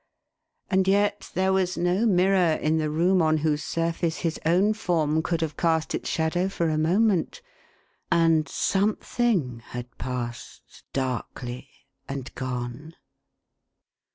And yet there was no mirror in the room on whose surface his own form could have cast its shadow for a moment ; and Something had passed darkly and gone